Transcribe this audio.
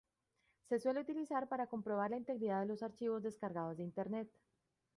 Se suele utilizar para comprobar la integridad de los archivos descargados de Internet.